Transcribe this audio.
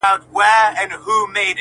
خو اوس چې ترې کار واخیستل شو